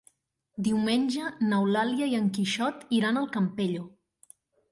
Diumenge n'Eulàlia i en Quixot iran al Campello.